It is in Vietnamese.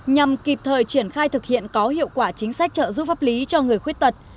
nhằm kịp thời triển khai thực hiện có hiệu quả chính sách trợ giúp pháp lý cho người khuyết tật